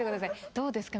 どうですか？